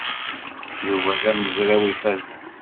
Yuba d amezraw ifazen.